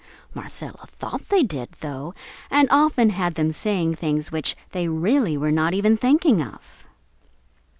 Marcella thought they did, though, and often had them saying things which they really were not even thinking of.